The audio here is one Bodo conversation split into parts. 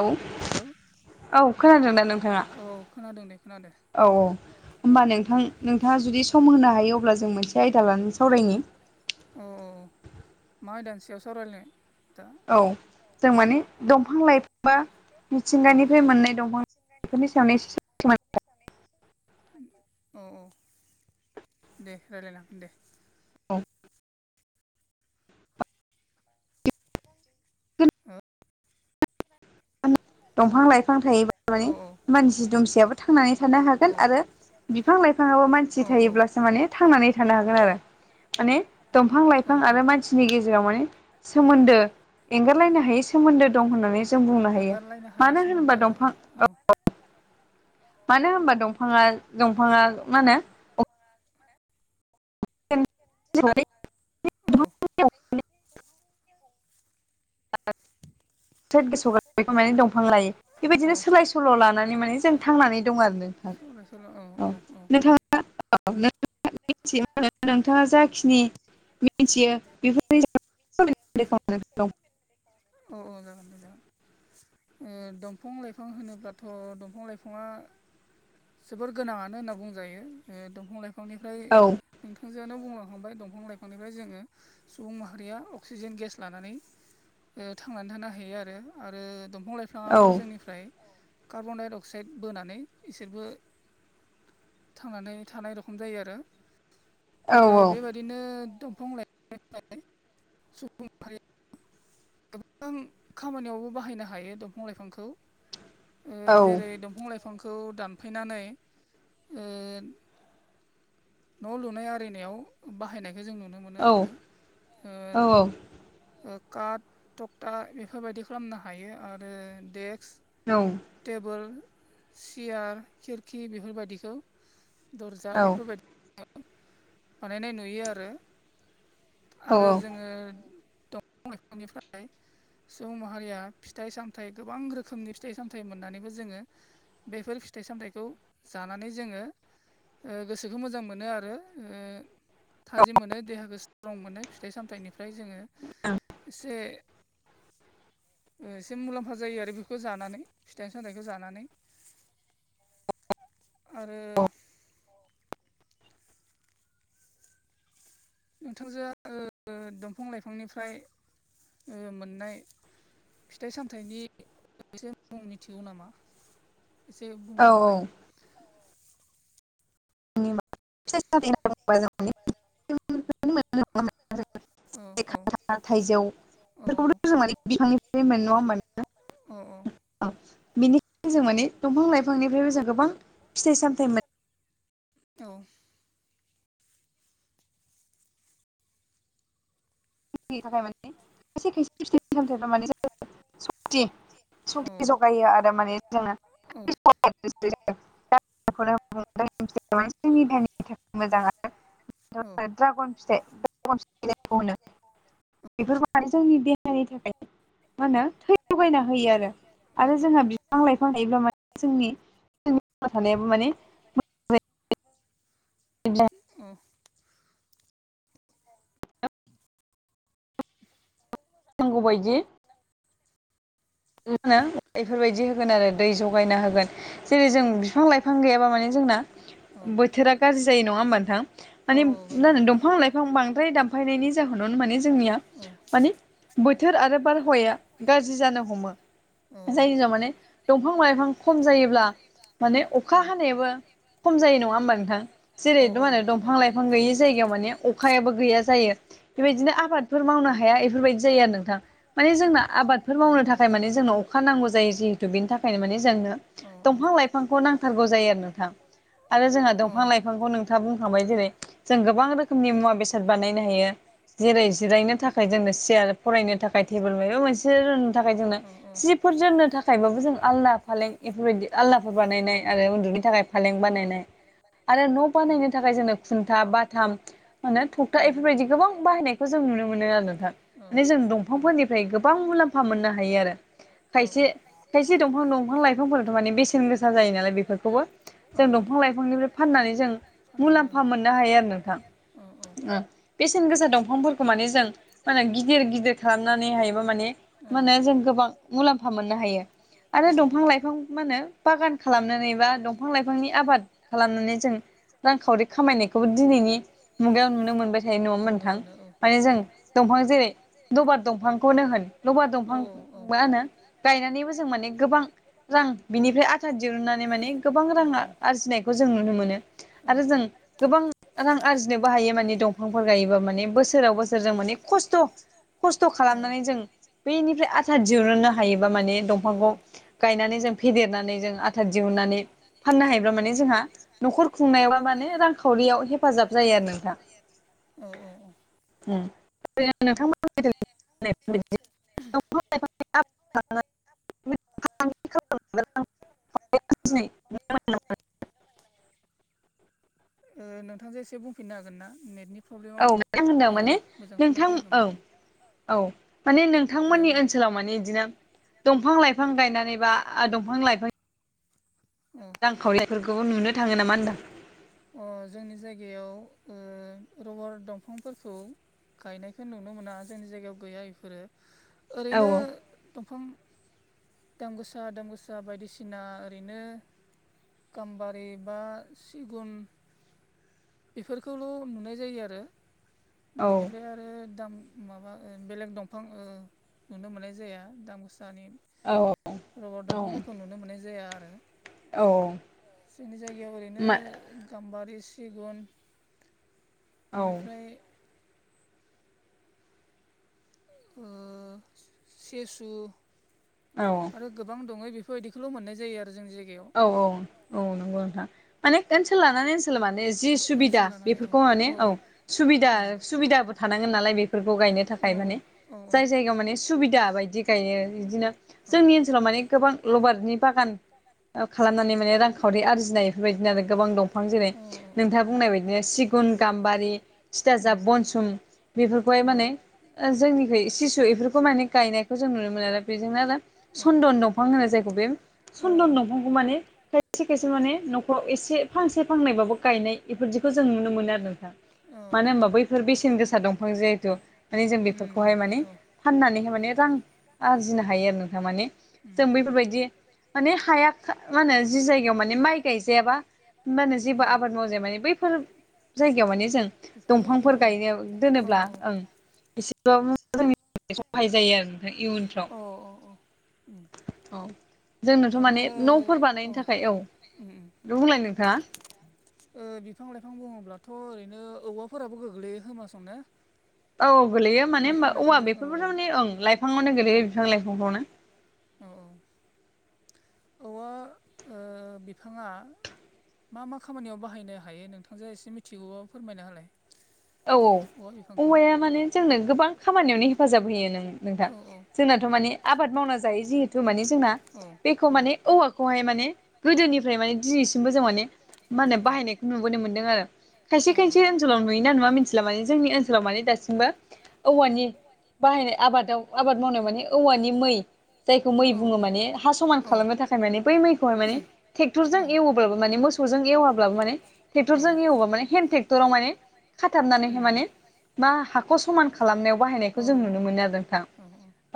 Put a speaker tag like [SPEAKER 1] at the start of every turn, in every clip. [SPEAKER 1] औ औ खोनादों ना नोंथाङा? औ औ होमबा नोंथां-नोंथाङा जुदि सम होनो हायो अब्ला जों मोनसे आयदा लानानै सावरायनि।
[SPEAKER 2] अ मा आयदानि सायाव सावरायलायनो दा?
[SPEAKER 1] औ जों माने दंफां लाइफां बा मिथिंगानिफ्राय मोननाय दंफां बेफोरनि सायावनो एसे
[SPEAKER 2] औ औ दे रायलायनो हागोन दे।
[SPEAKER 1] औ
[SPEAKER 2] [unintelligible]
[SPEAKER 1] दंफां लाइफां थायोब्ला माने मानसि दुमसियाबो थांनानै थानो हागोन आरो बिफां लाइफाङाबो मानसि थायोब्लासो माने थांनानै थानो हागोन आरो। माने दंफां लाइफां आरो मानसिनि गेजेराव माने सोमोन्दो एंगारलायनो हायै सोमोन्दो दं होननानै जों बुंनो मानो होनोबा दंफां मानो होनबा दंफाङा- दंफाङा मा होनो [unintelligible]
[SPEAKER 2] औ
[SPEAKER 1] [unintelligible] बेबायदिनो सोलाय सोल' लानानै माने जों थांनानै दं आरो नोंथां। औ नोंथाङा औ नों मिथिया नोंथाङा जाखिनि मिथियो [unintelligible]
[SPEAKER 2] औ औ जागोन दे जागोन। दंफां लाइफां होनोब्लाथ' दंफां लाइफाङा जोबोर गोनाङानो होनना बुंजायो दंफां लाइफांनिफ्राय नोंथांजोआनो बुंलांखांबाय दंफां लाइफांनिफ्राय जोङो सुबुं माहारिया अक्सिजेन गेस लानानै थांनानै थानो हायो आरो। आरो दंफां लाइफाङाबो जोंनिफ्राय कार्बन डाइ अक्साइड बोनानै इसोरबो थांनानै थानाय रखम जायो आरो आरो बेबायदि बिदिनो दंफां- लायफांनिफ्राय सुबुं माहारिया गोबां खामानियावबो बाहायनो हायो दंफां- लाइफांखौ ओ जेरै दंफां -लाइफां बिफांखौ दानफायनानै ओ न' लुनाय आरिनायाव बाहायनायखौ जों नुनो मोनो आरो। ओ काट, थकटा बेफोरबायदि खालामनो हायो आरो देक्स।
[SPEAKER 1] औ
[SPEAKER 2] टेबोल, सियार, खिरखि बेफोरबायदिखौ दर्जा बेफोरबायदि बानायनाय नुयो आरो। आरो जोङो दंफां- लाइफांनिफ्राय सुबुं माहारिया फिथाइ- सामथाइ नाथाय गोबां रोखोमनि फिथाइ सामथायाइ मोननानैबो जोङो बेफोर फिथाइ सामथाइखौ जानानै जोङो गोसोखौ मोजां मोनो आरो ओ थाजिम मोनो देहाखौ सिटं‌‌ मोनो फिथाइ सामथाइनिफ्राय जोङो एसे ओ जों मुलाम्फा जायो आरो बेखौ जानानै फिथाइ सामथायाइखौ जानानै। आरो नोंथांजों आंङो दंफां- लाइफांनिफ्राय मोननाय फिथाइ -सामथाइनि एसे मुं मिथिगौ नामा एसे बुंना होलाय।
[SPEAKER 1] [unintelligible] खान्थाल, थाइजौ बेफोरखौथ' जों माने बिफांनिफ्राय मोनो नङा होमबा नोंथां।
[SPEAKER 2] औ औ
[SPEAKER 1] औ बिनिखायनो जों माने दंफां -लाइफांनिफ्रायबो जों गोबां फिथाइ -सामथाय मोनो
[SPEAKER 2] औ
[SPEAKER 1] नि थाखाय माने खायसे खायसे फिथाय -सामथायफ्रा माने सक्ति सक्ति जगायो आरो माने जोंनो देहानि थाखाय मोजां आरो [unintelligible] ड्रागन फिथाइ ड्रागन फिथाय जायखौ होनो बेफोर माने जोंनि देहानि थाखाय मा होनो थै लगायना होयो आरो आरो जोंहा बिफां लाइफां थायोब्ला माने जोंनि थानायाबो माने
[SPEAKER 2] [unintelligible] अ
[SPEAKER 1] नांगौबायदि होनो बेफोरबायदि होगोन आरो दै जगायना होगोन। जेरै जों बिफां लाइफां गैयाबा माने जोंना बोथोरा गाज्रि जायो नङा होमबा नोंथां। माने मा होनो दंफां लाइफां बांद्राय दानफायनायनि जाहोनावनो माने जोंनिया माने बोथोर आरो बारहावाया गाज्रि जानो हमो। जायनि जाहोनाव माने दंफां लाइफां खम जायोब्ला माने अखा हानायाबो खम जायो नङा होमबा नोंथां जेरैथ' मा होनो दंफां लाइफां गैयि जायगायाव माने अखायाबो गैया जायो बेबायदिनो आबादफोर मावनो हाया बेफोरबायदि जायो आरो नोंथां। माने जोंना आबादफोर मावनो थाखाय थाखाय माने जोंनो अखा नांगौ जायो जिहेथु बेनि थाखायनो माने जोंनो दंफां -लाइफांखौ नांथारगौ जायो आरो नोंथां। आरो जोंहा दंफां-लाइफांखौ नों खोथा बुंखांबाय जेरै जों गोबां रोखोमनि मुवा बेसाद बानायनो हायो। जेरै जिरायनो थाखाय जोंनो चेयार फरायनो थाखाय टेबोल माबा मोनसे रोंनो थाखाय जोंनो सिफोर दोननो थाखायबाबो जों आलना फालें बेफोरबायदि आलनाफोर बानायनाय आरो उन्दुनो थाखाय फालें बानायनाय आरो न' बानायनो थाखाय जोंनो खुन्था बाथाम मा होनो थ'खथा इफोरबायदि गोबां बाहायनायखौ जों नुनो मोनो आरो नोंथां। माने जों दंफांफोरनिफ्राय गोबां मुलाम्फा मोननो हायो आरो। खायसे खायसे दंफां दंफां लाइफांफोराथ' माने बेसेन गोसा जायो नालाय बेफोरखौबो जों दंफां लाइफांनिफ्राय फाननानै जों मुलाम्फा मोननो हायो आरो नोंथां। बेसेन गोसा दंफांफोरखौ माने जों मा होनो गिदिर गिदिर खालामनानै हायोबा माने मा होनो जों गोबां मुलाम्फा मोननो हायो। आरो दंफां लाइफां मा होनो बागान खालामनानै बा दंफां लाइफांनि आबाद खालामनानै जों रांखावरि खामायनायखौबो दिनैनि मुगायाव नुनो मोनबाय थायो नङा हमबा नोंथां? माने जों दंफां जेरै लबार दंफांखौनो होन लबार दंफां मा होनो गायनानैबो जों माने गोबां रां बिनिफ्राय आथा दिहुनन्नानै माने गोबां रां आरजिनायखौ जों नुनो मोनो। आरो जों गोबां रां आरजिनोबो हायो माने दंफांफोर गायोबा माने बोसोराव बोसोर जों माने खस्थ' खस्थ' खालामनानै जों बैनिफ्राय आथा दिहुननो हायोबा माने दंफांखौ गायनानै जों फेदेरनानै जों आथा दिहुननानै फाननो हायोब्ला माने जोंहा न'खर खुंनायावहा माने रांखावरियाव हेफाजाब जायो आरो नोंथां। [unintelligible] [unintelligible]
[SPEAKER 2] [inaudible] [inaudible] ओ नोंथां आ एसे बुंफिननो हागोन ना नेटनि प्रब्लेमाव ओ मोजां खोनाफैयाखैमोन नों
[SPEAKER 1] औ माने नोंथांमोननि ओनसोलाव माने बिदिनो दंफां लाइफां गायनानैबा दंफां लाइफां रां खावरियाफोरखौबो नुनो थाङो नामा होनदां?
[SPEAKER 2] जोंनि जायगायाव ओ रबार दंफांफोरखौ गायनायखौ नुनो मोना जोंनि जायगायाव गैया इफोरो ओरैनो दंफां दामगोसा दामगोसा बायदिसिना ओरैनो गाम्बारि बा सिगुन बेफोरखौल' नुनाय जायो आरो बेनिफ्राय आरो आरो दाम माबा बेलेग दंफां ओ नुनो मोननाय जाया दाम गोसानि
[SPEAKER 1] औ ओ
[SPEAKER 2] रबर दंफांफोरखौ नुनो मोननाय जाया आरो। जोंनि जायगायाव ओरैनो गाम्बारि सिगुन बेनिफ्राय ओ सेसु
[SPEAKER 1] औ औ
[SPEAKER 2] गोबां दङो बेफोरबायदिखौल' मोननाय जायो आरो जोंनि जायगायाव
[SPEAKER 1] औ औ औ नंगौ नोंथां माने ओनसोल लानानै ओनसोल माने जि सुबिदा बेफोरखौ माने औ सुबिदा सुबिदाबो थानांगोन नालाय बेफोरखौ गायनो थाखाय माने जाय जायगायाव माने सुबिदा बायदि गायो बिदिनो जोंनि ओनसोलाव माने गोबां लबारनि बागान ओ खालामनानै माने रांखावरि आरजिनाय बेफोरबायदिनो आरो गोबां दंफां जेरै नोंथाङा बुंनाय बायदिनो सिगुन गाम्बारि थिथाजाब बनसुम बेफोरखौहाय माने जोंनिफाय सिसु बेफोरखौ माने गायनायखौ जों नुनो मोनो आरो बेजोंनो आरो सन्दन दंफां होनो जायखौ बे सन्दन दंफांखौ माने खायसे खायसे माने न'खराव एसे फांसे फांनायबाबो गायनाय बेफोरदिखौ जों नुनो मोनो आरो नोंथां मानो होनबा बैफोर बेसेन गोसा दंफां जिहेथु माने जों बेफोरखौहाय माने फाननानैहाय माने रां आरजिनो हायो आरो नोंथां माने जों बैफोरबायदि माने हाया मा होनो जि जायगायाव माने माइ गायजायाबा मा होनो जेबो आबाद मावजाया माने बैफोर जायगायाव माने जों दंफांफोर गायनो दोनोब्ला ओं एसे
[SPEAKER 2] अ अ उम
[SPEAKER 1] औ जोंनोथ' माने न'फोर बानायनो थाखाय औ बुंलाय नोंथाङा?
[SPEAKER 2] ओ बिफां लाइफां बुङोब्लाथ' ओरैनो औवाफोराबो गोग्लैयो खोमा संना?
[SPEAKER 1] औ गोग्लैयो माने होनोबा औवा बेफोरबोथ' माने ओ लाइफांआवनो गोलैयो बिफां लाइफाङावनो।
[SPEAKER 2] औवा ओ बिफाङा मा मा खामानियाव बाहायनो हायो नोंथांजो एसे मिथिगौबा फोरमायना होलाय?
[SPEAKER 1] औ औ औवाया माने जोंनो गोबां खामानियावनो हेफाजाब होयो नों नोंथां। जोंनाथ' मानि आबाद मावना जायो जिहेथु माने जोंना बे खौ माने औवाखौहाय माने गोदोनिफ्राय माने दिनैसिमबो जों माने मा होनो बाहायनायखौ नुबोनो मोन्दों आरो खायसे खायसे ओनसोलाव नुयो ना नुवा मिथिला माने जोंनि ओनसोलाव माने दासिमबो औवानि बाहायनाय आबादाव आबाद मावनाय माने औवानि मै जायखौ मै बुङो माने हा समान खालामनो थाखाय माने बै मैखौहाय माने ट्रेक्टरजों एवोबाबो मान मोसौजों एवाब्लाबो माने ट्रेक्टरजों एवोबा माने हेन्द ट्रेक्टराव माने खाथाबनानैहाय माने मा हाखौ समान खालामनायाव बाहायनायखौ जों नुनो मोनो आरो नोंथां।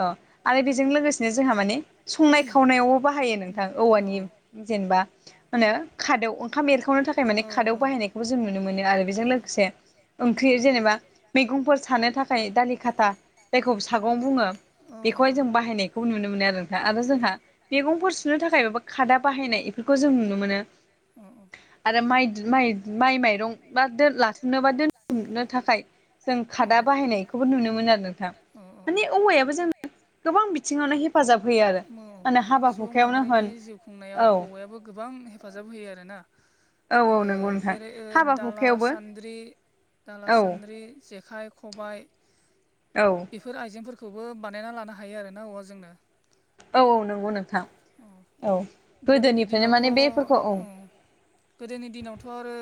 [SPEAKER 1] अ आरो बेजों लोगोसेनो जोंहा मानि संनाय खावनायावबो बाहायो नों थां औवानि जेनेबा खादौ ओंखाम एरखावनो थाखाय माने खादौ बाहायनाय जों नुनो मोनो आरो बेजों लोगोसे ओंख्रि जेनेबा मैगंफोर सानो थाखाय दालि खाथा जायखौ सागं बुङो बेखौहाय जों बाहायनायखौ नुनो मोनो आरो नोंथां आरो जोंहा मैगंफोर सुनो थाखाय मा खादा बाहायनाय बेफोरखौ जों नुनो मोनो। आरो माइ माइरं बा लाथुमनोबा दोनथुमनो थाखाय जों खादा बाहायनायखौबो नुनो मोनो आरो नोंथां माने औवायाबो जों गोबां बिथिङावनो हेफाजाब होयो आरो
[SPEAKER 2] सुबुं माहारिनि जिउ खुंनायाव औवायाबो गोबां हेफाजाब होयो आरोना?
[SPEAKER 1] औ औ नंगौ।
[SPEAKER 2] जेरै दाला सान्द्रि दाला सान्द्रि जेखाइ खबाइ
[SPEAKER 1] औ
[SPEAKER 2] बेफोर आइजेंफोरखौबो बानायना लानो हायो आरो ना औवा जोंनो।
[SPEAKER 1] औ औ नंगौ नोंथां औ गोदोनिफ्रायनो माने बेफोरखौ औ।
[SPEAKER 2] गोदोनि दिनावथ' आरो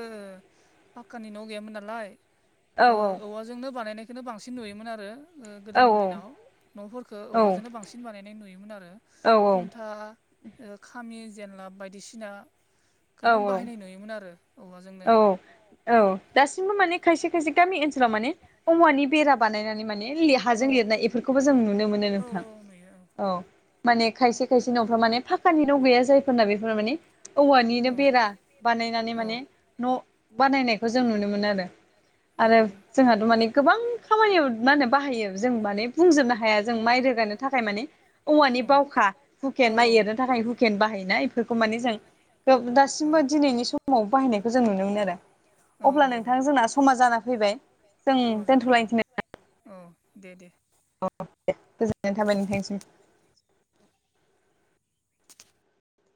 [SPEAKER 2] पाक्कानि न' गैयामोन नालाय औवा जोंनो बानायनायखौनो बांसिन नुयोमोन आरो गोदोनि दिनाव न'फोरखौ औवाजोंनो बांसिन बानायनाय नुयोमोन आरो खुन्था ओ खामि जेनलाब बायदिसिना गोबां बाहायनाय नुयोमोन आरो।
[SPEAKER 1] औ औ दासिमबो माने खायसे खायसे गामि ओनसोलाव माने औवानि बेरा बानायनानै माने हाजों लिरनाय इफोरखौबो जों नुनो मोनो नोंथां।
[SPEAKER 2] [unintelligible]
[SPEAKER 1] माने खायसे खायसे न'फ्रा माने फाखानि न' गैया जायफोरना बेफोरो माने औवानिनो बेरा बानायनानै माने न' बानायनायखौ जों नुनो मोनो आरो आरो जोंहाथ' माने गोबां खामानियाव माने बाहायो जों माने बुंजोबनो हा हाया जों माइ रोगानो थाखाय माने औवानि बावखा हुकेन माइ एरनो थाखाय हुकेन बाहायोना बे जों दासिमबो दिनैनि समाव बाहायनायखौ जों नुनो मोनो आरो अब्ला नोंथां जोंना समा जाना फैबाय जों दोनथ'लायनोसै नामा?
[SPEAKER 2] औ दे दे।
[SPEAKER 1] अ दे गोजोननाय थाबाय नोंथांनिसिम।